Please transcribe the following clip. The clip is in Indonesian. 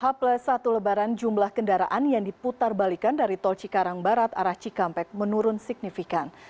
h satu lebaran jumlah kendaraan yang diputar balikan dari tol cikarang barat arah cikampek menurun signifikan